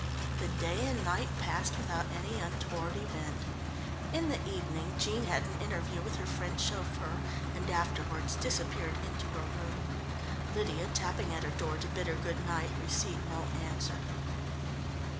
The day and night passed without any untoward event. In the evening Jean had an interview with her French chauffeur, and afterwards disappeared into her room. Lydia tapping at her door to bid her good night received no answer.